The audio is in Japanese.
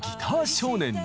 少年に。